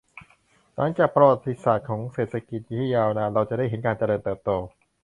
หลังจากประวัติศาสตร์ของเศรษฐกิจที่ยาวนาน เราจะได้เห็นการเจริญเติบโต